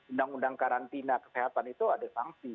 undang undang karantina kesehatan itu ada sanksi